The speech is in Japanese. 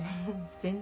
全然。